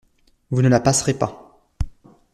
»Vous ne la passerez pas.